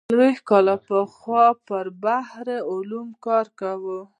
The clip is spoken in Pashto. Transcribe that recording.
څلوېښت کاله پخوا پر بحر العلوم کار کاوه.